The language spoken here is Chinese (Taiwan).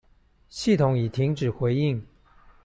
系統已停止回應